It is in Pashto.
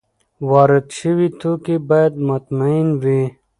وارد شوي توکي باید مطمین وي.